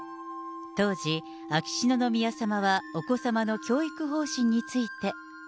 当時、秋篠宮さまはお子さまの教育方針について。